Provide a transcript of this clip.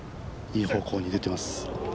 いい方向に出てます。